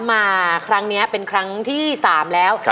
มาครั้งนี้เป็นครั้งที่๓แล้ว